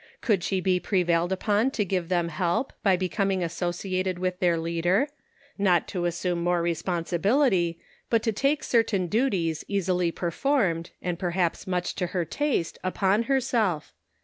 Could she be prevailed upon to give them help, by becoming associated with their leader — not to assume more responsibility, but to take certain duties easily performed, and per haps much to her taste upon herself?